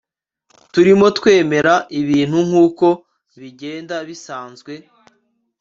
turimo twemera ibintu nkuko bigenda bisanzwe